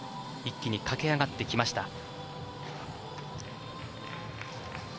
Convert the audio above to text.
一気に駆け上がってきました。